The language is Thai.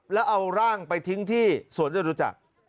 แล้วเอาร่างไปทิ้งที่สวรรค์เจ้ารู้จัก